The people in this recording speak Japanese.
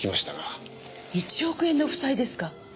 １億円の負債ですか？